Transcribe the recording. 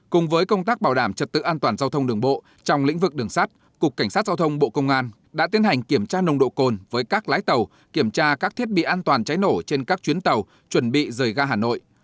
cùng với công tác bảo đảm trật tự an toàn giao thông đường bộ trong lĩnh vực đường sắt cục cảnh sát giao thông bộ công an đã tiến hành kiểm tra nồng độ cồn với các lái tàu kiểm tra các thiết bị an toàn cháy nổ trên các chuyến tàu chuẩn bị rời ra hà nội